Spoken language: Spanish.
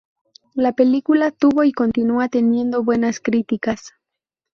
La película tuvo y continúa teniendo buenas críticas.